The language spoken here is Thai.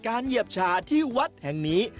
เหยียบชาที่วัดแห่งนี้